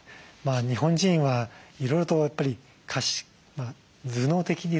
日本人はいろいろとやっぱり頭脳的ですよね。